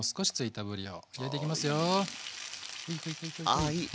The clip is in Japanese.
あいい！